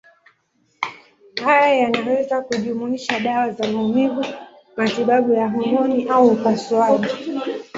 Haya yanaweza kujumuisha dawa za maumivu, matibabu ya homoni au upasuaji.